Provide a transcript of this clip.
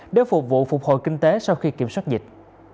để phục vụ phục hồi kinh tế sau khi kiểm soát dịch